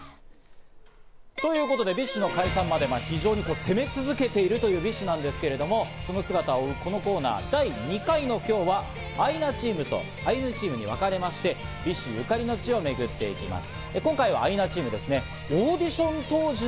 ということでＢｉＳＨの解散まで非常に攻め続けているというＢｉＳＨなんですけれども、その姿を追うこのコーナー、第２回の今日はアイナチームとアユニチームに分かれまして、ＢｉＳＨゆかりの地をめぐっていきます。